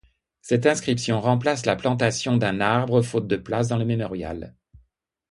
Cette inscription remplace la plantation d’un arbre faute de place dans le mémorial.